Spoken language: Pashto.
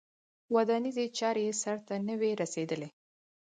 ودانیزې چارې یې سرته نه وې رسېدلې.